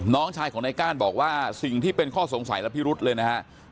น้องชายของในก้านบอกว่าสิ่งที่เป็นข้อสงสัยและพิรุษเลยนะฮะ